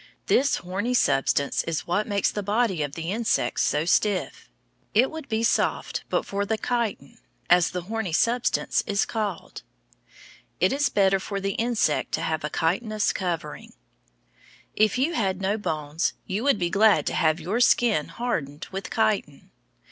This horny substance is what makes the body of the insect so stiff. It would be soft but for the chitin, as the horny substance is called. It is better for the insect to have a chitinous covering. If you had no bones, you would be glad to have your skin hardened with chitin.